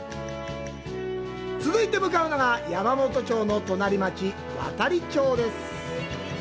続いて向かうのが、山元町の隣町亘理町です。